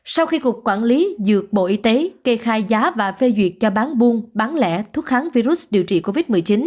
sau khi cục quản lý dược bộ y tế kê khai giá và phê duyệt cho bán buôn bán lẻ thuốc kháng virus điều trị covid một mươi chín